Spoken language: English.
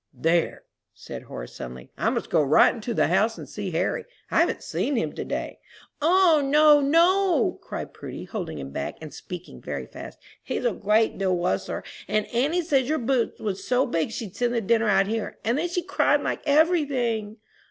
"There," said Horace, suddenly, "I must go right into the house and see Harry. I haven't seen him to day." "O, no, no!" cried Prudy, holding him back, and speaking very fast, "he's a great deal wusser, and auntie said your boots was so big she'd send the dinner out here; and then she cried like every thing."